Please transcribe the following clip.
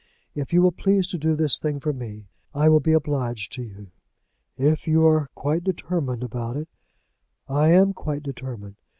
If you will please to do this thing for me, I will be obliged to you." "If you are quite determined about it " "I am quite determined.